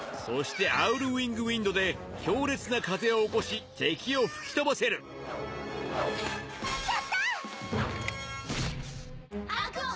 そしてアウル・ウィング・ウィンドで強烈な風を起こし敵を吹き飛ばせるやった！